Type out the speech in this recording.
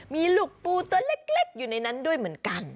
มีลูกปูตัวเล็กอยู่ในนั้นด้วยเหมือนกัน